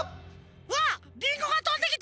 わっリンゴがとんできた！